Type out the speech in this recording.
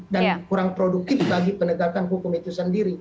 dan kurang produktif bagi penegakan hukum itu sendiri